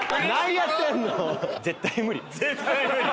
「絶対無理」？